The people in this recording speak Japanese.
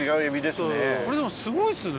これでもすごいですね。